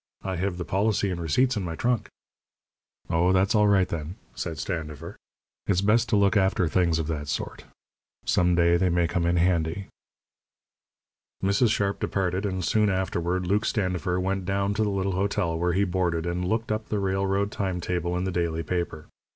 "I have the policy and receipts in my trunk." "Oh, that's all right, then," said Standifer. "It's best to look after things of that sort. Some day they may come in handy." Mrs. Sharp departed, and soon afterward Luke Standifer went down to the little hotel where he boarded and looked up the railroad time table in the daily paper.